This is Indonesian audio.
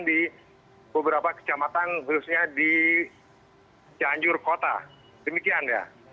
di beberapa kecamatan seharusnya di cianjur kota demikian dia